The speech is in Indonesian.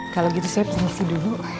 kalau gitu saya fungsi dulu